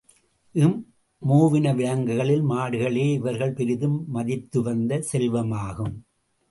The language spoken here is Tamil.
இம்மூவின விலங்குகளில் மாடுகளே இவர்கள் பெரிதும் மதித்துவந்த செல்வமாகும்.